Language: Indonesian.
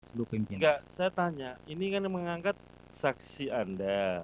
enggak saya tanya ini kan yang mengangkat saksi anda